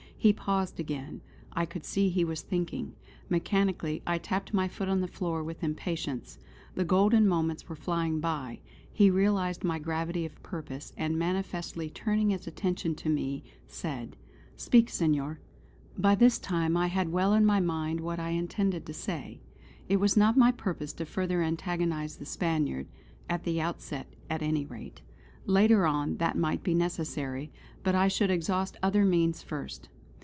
He paused again; I could see he was thinking. Mechanically I tapped my foot on the floor with impatience; the golden moments were flying by. He realised my gravity of purpose, and, manifestly turning his attention to me, said: "Speak on Senor!" By this time I had well in my mind what I intended to say. It was not my purpose to further antagonise the Spaniard; at the outset at any rate. Later on, that might be necessary; but I should exhaust other means first.